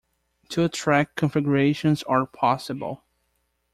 Two track configurations are possible.